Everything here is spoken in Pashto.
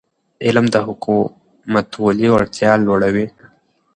علم د حکومتولی وړتیا لوړوي.